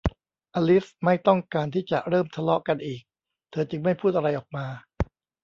อลิซไม่ต้องการที่จะเริ่มทะเลาะกันอีก เธอจึงไม่พูดอะไรออกมา